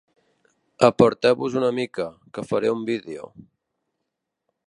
Aparteu-vos una mica, que faré un vídeo.